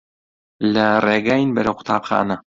لە ڕێگاین بەرەو قوتابخانە.